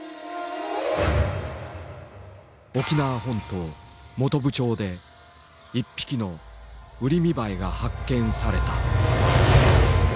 沖縄本島本部町で１匹のウリミバエが発見された。